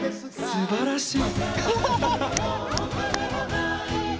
すばらしい。